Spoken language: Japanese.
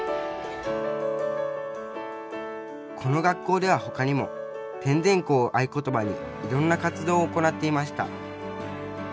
この学校ではほかにも「てんでんこ」を合言葉にいろんな活動を行っていました。